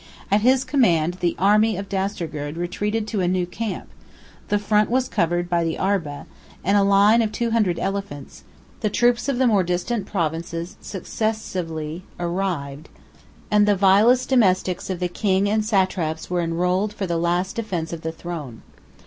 At his command, the army of Dastagerd retreated to a new camp: the front was covered by the Arba, and a line of two hundred elephants; the troops of the more distant provinces successively arrived, and the vilest domestics of the king and satraps were enrolled for the last defence of the throne.